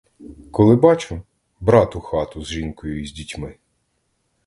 Коли бачу — брат у хату з жінкою й з дітьми.